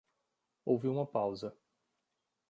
Houve uma pausa.